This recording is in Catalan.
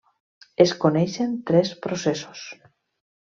Es coneixen tres processos.